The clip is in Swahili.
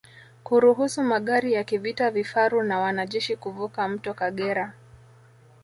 Kuruhusu magari ya kivita vifaru na wanajeshi kuvuka mto Kagera